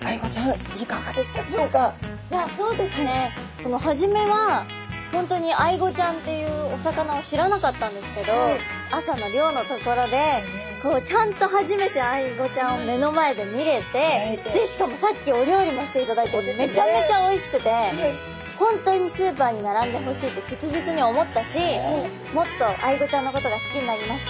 いやそうですね初めは本当にアイゴちゃんっていうお魚を知らなかったんですけど朝の漁のところでこうちゃんと初めてアイゴちゃんを目の前で見れてしかもさっきお料理もしていただいてめちゃめちゃおいしくて本当にスーパーに並んでほしいって切実に思ったしもっとアイゴちゃんのことが好きになりました。